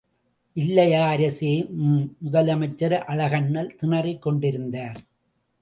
இல்லையா, அரசே? ம்! முதலமைச்சர் அழகண்ணல் திணறிக் கொண்டிருந்தார்.